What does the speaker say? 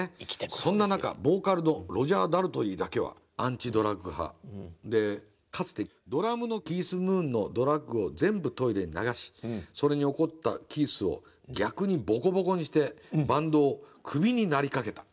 「そんな中ボーカルのロジャー・ダルトリーだけはアンチドラッグ派でかつてドラムのキース・ムーンのドラッグを全部トイレに流しそれに怒ったキースを逆にボコボコにしてバンドをクビになりかけた」。